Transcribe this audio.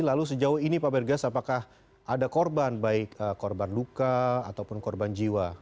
lalu sejauh ini pak bergas apakah ada korban baik korban luka ataupun korban jiwa